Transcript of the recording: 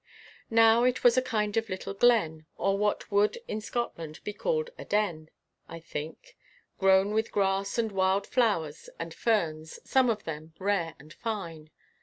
Now it was a kind of little glen, or what would in Scotland be called a den, I think, grown with grass and wild flowers and ferns, some of them, rare and fine.